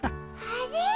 あれ？